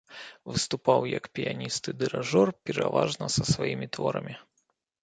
Выступаў як піяніст і дырыжор пераважна са сваімі творамі.